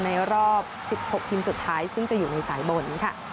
ในรอบ๑๖ทีมสุดท้ายซึ่งจะอยู่ในสายบนค่ะ